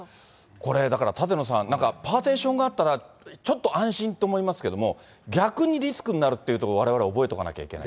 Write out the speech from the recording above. これ、だから舘野さん、パーテーションがあったら、ちょっと安心と思いますけれども、逆にリスクになるっていうところ、われわれ覚えとかなきゃいけない。